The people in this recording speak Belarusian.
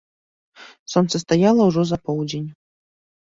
Сонца стаяла ўжо за поўдзень.